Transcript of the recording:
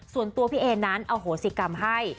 ส่วนตัวพี่เอนั้นอโหสิกรรมให้